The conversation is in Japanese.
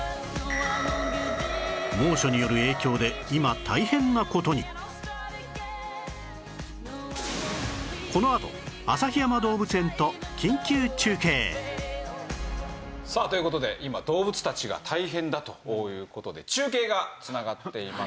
猛暑による影響で今大変な事に！？さあという事で今動物たちが大変だという事で中継が繋がっています。